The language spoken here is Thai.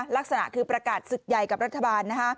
ลักษณะคือประกาศศึกใหญ่กับรัฐบาล